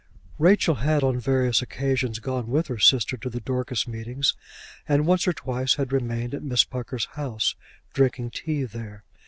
Rachel had on various occasions gone with her sister to the Dorcas meetings, and once or twice had remained at Miss Pucker's house, drinking tea there.